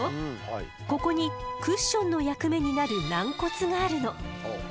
ここにクッションの役目になる軟骨があるの。